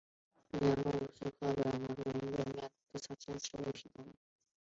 原角鹿科是北美洲已灭绝的草食性偶蹄动物。